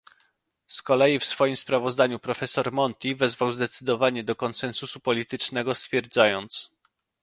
Z kolei w swoim sprawozdaniu profesor Monti wezwał zdecydowanie do konsensusu politycznego, stwierdzając